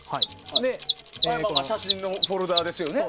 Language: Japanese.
写真のフォルダですよね。